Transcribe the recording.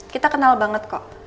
kita kenal banget kok